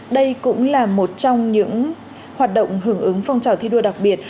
đây cũng là một trong những hoạt động hưởng ứng phong trào thi đua đặc biệt